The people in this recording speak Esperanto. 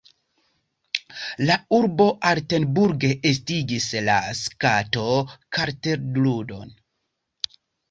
La urbo Altenburg estigis la skato-kartludon.